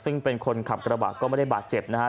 ซึ่งเป็นคนขับกระบะก็ไม่ได้บาดเจ็บนะครับ